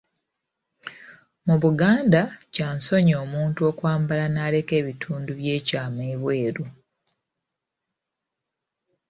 Mu Buganda, kya nsonyi omuntu okwambala n'aleka ebitundu by'ekyama ebweru.